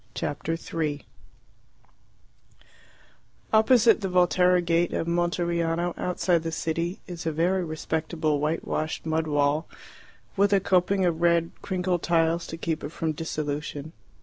Chapter 3 Opposite the Volterra gate of Monteriano, outside the city, is a very respectable white washed mud wall, with a coping of red crinkled tiles to keep it from dissolution.